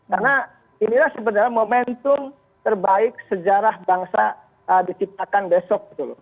karena inilah sebenarnya momentum terbaik sejarah bangsa diciptakan besok betul